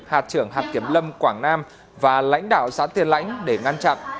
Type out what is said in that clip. hạt trưởng hạt kiểm lâm quảng nam và lãnh đạo xã tiên lãnh để ngăn chặn